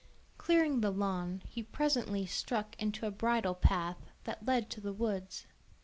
Clearing the lawn, he presently struck into a bridle path that led to the woods.